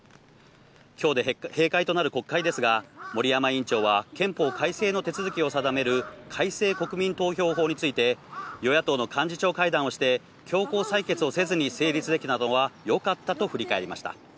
今日で閉会となる国会ですが森山委員長は憲法改正の手続きを定める改正国民投票法について野党の幹事長会談をして強行の採決せずに成立できたのはよかったと振り返りました。